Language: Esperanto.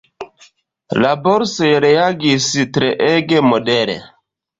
La borsoj reagis treege modere.